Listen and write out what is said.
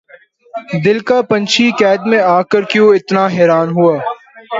دل کا پنچھی قید میں آ کر کیوں اتنا حیران ہوا